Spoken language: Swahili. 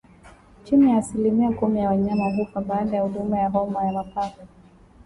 Chini ya asilimia kumi ya wanyama hufa baada ya huduma ya homa ya mapafu